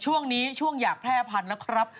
ช่วงนี้ช่วงอยากแพร่พันธุ์นะครับ